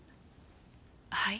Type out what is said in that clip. はい？